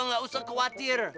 gak usah khawatir